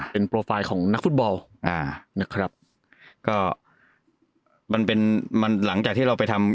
เป็นโปรไฟล์ของนักฟุตบอลอ่านะครับก็มันเป็นมันหลังจากที่เราไปทำ